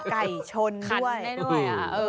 ไก่ชนด้วยคันได้ด้วย